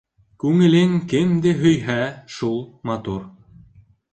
Күңелең кемде һөйһә, шул матур.